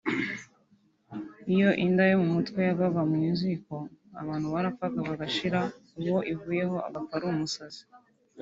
Iyo inda yo mu mutwe yagwaga mu ziko abantu barapfaga bagashira uwo ivuyeho agapfa ari umusazi